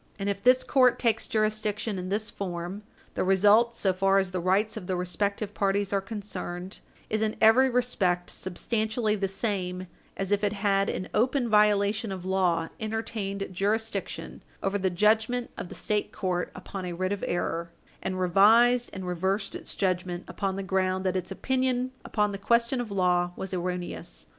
And if this court takes jurisdiction in this form, the result, so far as the rights of the respective parties are concerned, is in every respect substantially the same as if it had, in open violation of law, entertained jurisdiction over the judgment of the State court upon a writ of error, and revised and reversed its judgment upon the ground that its opinion upon the question of law was erroneous.